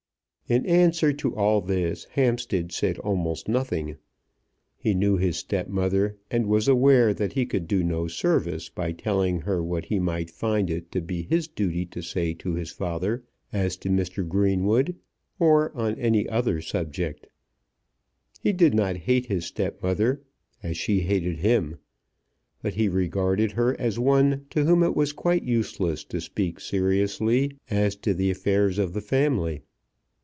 In answer to all this Hampstead said almost nothing. He knew his stepmother, and was aware that he could do no service by telling her what he might find it to be his duty to say to his father as to Mr. Greenwood, or on any other subject. He did not hate his stepmother, as she hated him. But he regarded her as one to whom it was quite useless to speak seriously as to the affairs of the family.